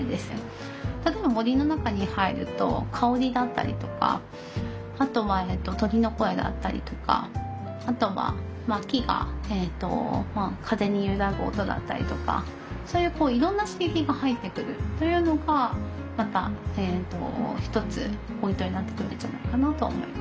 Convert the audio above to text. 例えば森の中に入ると香りだったりとかあとは鳥の声だったりとかあとは木が風に揺らぐ音だったりとかそういういろんな刺激が入ってくるというのがまた一つポイントになってくるんじゃないかなと思います。